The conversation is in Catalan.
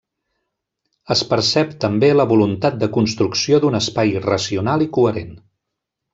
Es percep també la voluntat de construcció d'un espai racional i coherent.